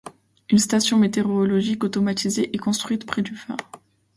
Une station météorologique automatisée est construite près du phare.